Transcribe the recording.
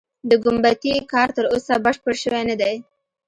د ګومبتې کار تر اوسه بشپړ شوی نه دی.